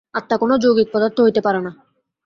আত্মা কোন যৌগিক পদার্থ হইতে পারে না।